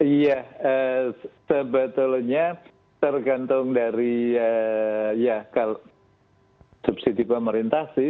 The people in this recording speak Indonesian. iya sebetulnya tergantung dari ya kalau subsidi pemerintah sih